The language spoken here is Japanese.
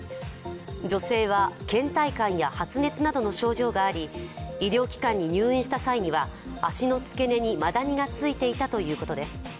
女性はけん怠感や発熱などの症状があり、医療機関に入院した際には足の付け根にマダニがついていたということです。